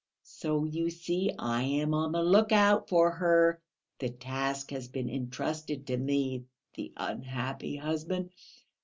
"So, you see, I am on the look out for her. The task has been entrusted to me (the unhappy husband!).